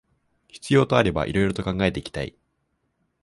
必要とあれば色々と考えていきたい